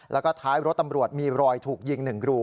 แล้วก็ท้ายรถตำรวจมีรอยถูกยิง๑รู